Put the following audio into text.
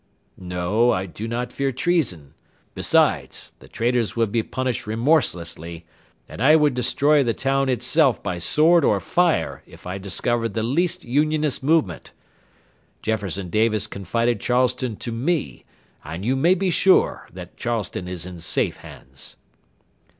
"No, I do not fear treason; besides, the traitors would be punished remorselessly, and I would destroy the town itself by sword or fire if I discovered the least Unionist movement. Jefferson Davis confided Charleston to me, and you may be sure that Charleston is in safe hands."